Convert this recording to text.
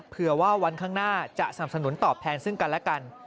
เผื่อว่าวันข้างหน้าจะสนับสนุนตอบแทนซึ่งกันและกัน